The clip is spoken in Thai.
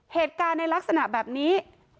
เหตุการณ์ในลักษณะแบบนี้